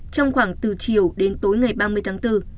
trong khoảng từ chiều đến tối ngày ba mươi tháng bốn